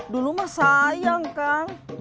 dulu mah sayang kang